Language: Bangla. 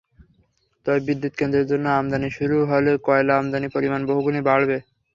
তবে বিদ্যুৎকেন্দ্রের জন্য আমদানি শুরু হলে কয়লা আমদানির পরিমাণ বহুগুণে বাড়বে।